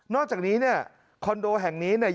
อกจากนี้เนี่ยคอนโดแห่งนี้เนี่ย